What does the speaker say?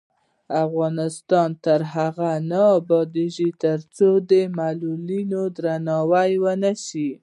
افغانستان تر هغو نه ابادیږي، ترڅو د معلولینو درناوی ونشي.